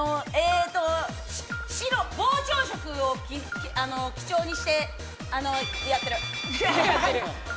白、膨張色を基調にしてやってる。